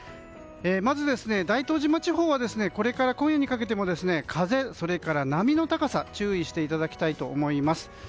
まず、大東島地方はこれから今夜にかけても風、それから波の高さ注意していただきたいと思います。